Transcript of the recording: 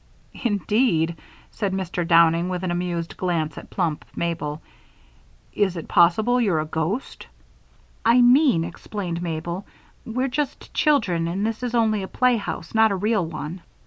"Indeed!" said Mr. Downing, with an amused glance at plump Mabel. "Is it possible you're a ghost?" "I mean," explained Mabel, "we're just children and this is only a playhouse, not a real one.